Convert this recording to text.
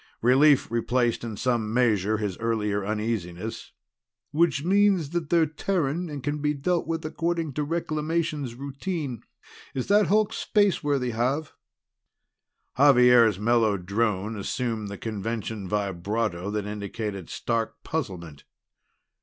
Relief replaced in some measure his earlier uneasiness. "Which means that they're Terran, and can be dealt with according to Reclamations routine. Is that hulk spaceworthy, Xav?" Xavier's mellow drone assumed the convention vibrato that indicated stark puzzlement.